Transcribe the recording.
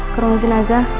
ke ruang jenazah